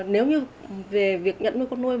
nếu như về việc nhận nuôi con nuôi